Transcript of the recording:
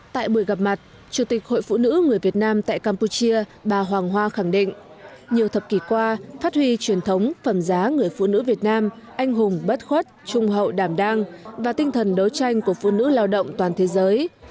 tại buổi gặp mặt chủ tịch hội phụ nữ người việt nam tại campuchia bà hoàng hoa khẳng định nhiều thập kỷ qua phát huy truyền thống phẩm giá người phụ nữ việt nam anh hùng bất khuất trung hậu đảm đang và tinh thần đấu tranh của phụ nữ lao động toàn thế giới